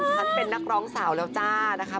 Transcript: ฉันเป็นนักร้องสาวแล้วจ้านะคะ